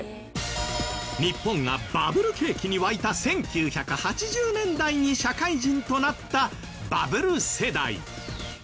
日本がバブル景気に沸いた１９８０年代に社会人となったバブル世代。